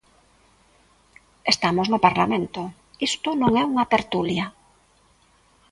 Estamos no Parlamento, isto non é unha tertulia.